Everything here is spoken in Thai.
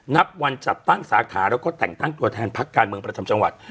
นับวันจัดตั้งสาขาแล้วก็แต่งตั้งตัวแทนพักการเมืองประจำจังหวัด